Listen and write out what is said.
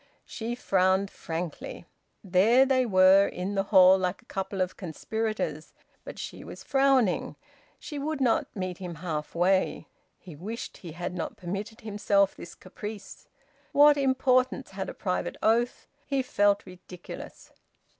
She frowned frankly. There they were in the hall, like a couple of conspirators, but she was frowning; she would not meet him half way. He wished he had not permitted himself this caprice. What importance had a private oath? He felt ridiculous.